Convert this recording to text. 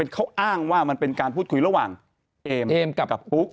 เขาอ้างว่ามันเป็นการพูดคุยระหว่างเอมเอมกับปุ๊ก